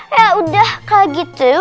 ya udah kalau gitu